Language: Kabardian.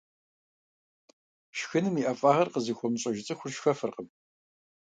Шхыным и ӀэфӀагъыр къызыхуэмыщӀэж цӀыхур шхэфыркъым.